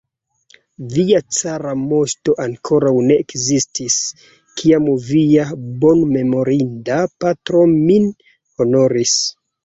Via cara moŝto ankoraŭ ne ekzistis, kiam via bonmemorinda patro min honoris.